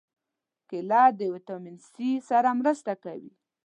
کېله د ویټامین C سره مرسته کوي.